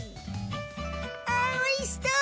おいしそう！